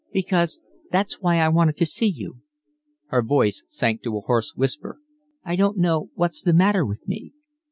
"Because that's why I wanted to see you." Her voice sank to a hoarse whisper. "I don't know what's the matter with me."